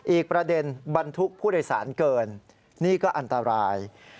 อีกประเด็นบรรทุกผู้โดยสารเกินนี่ก็อันตราย